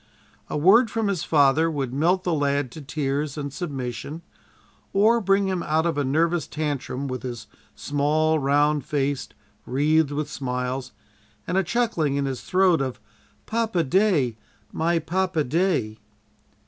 A word from his father would melt the lad to tears and submission, or bring him out of a nervous tantrum with his small round face wreathed with smiles, and a chuckling in his throat of "Papa day, my papa day!"